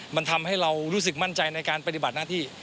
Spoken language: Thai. มันทำให้เรารู้สึกมั่นใจในการปฏิบัติหน้าที่